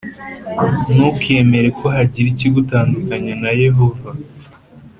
Ntukemere ko hagira ikigutandukanya na yehova